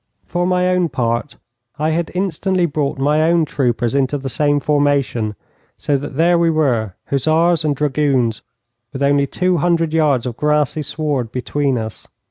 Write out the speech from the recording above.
For my own part, I had instantly brought my own troopers into the same formation, so that there we were, hussars and dragoons, with only two hundred yards of grassy sward between us.